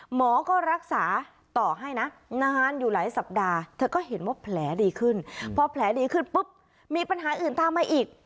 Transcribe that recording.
หมอก็รักษาต่อให้นะนานอยู่หลายสัปดาห์เธอก็เห็นว่าแผลดีขึ้นพอแผลดีขึ้นปุ๊บมีปัญหาอื่นตามมาอีก